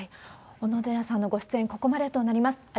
小野寺さんのご出演、ここまでとなります。